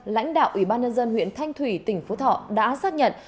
lãnh đạo ủy ban nhân dân huyện thanh thủy tỉnh phú thọ đã xác nhận